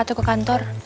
atau ke kantor